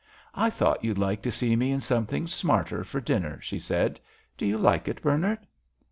"I thought you'd like to see me in something smarter for dinner," she said. "Do you like it, Bernard?"